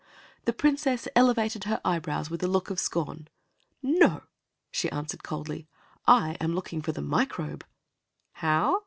The Princess elevated her eyebrows with a look of scorn. "No," she answered coldly; "I am looking for the Microbe." "How?"